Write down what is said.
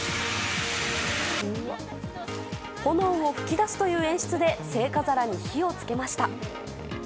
炎を噴き出すという演出で聖火皿に火をつけました。